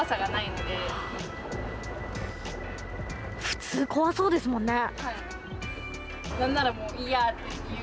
普通、怖そうですもんね。